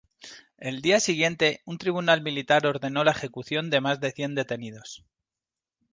El día siguiente, un tribunal militar ordenó la ejecución de más de cien detenidos.